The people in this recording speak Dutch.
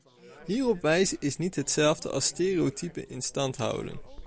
Hierop wijzen is niet hetzelfde als stereotypen in stand houden.